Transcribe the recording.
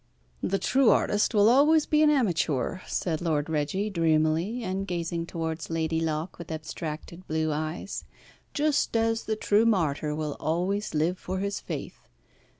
"The true artist will always be an amateur," said Lord Reggie, dreamily, and gazing towards Lady Locke with abstracted blue eyes, "just as the true martyr will always live for his faith.